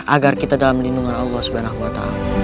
agar kita dalam melindungi allah swt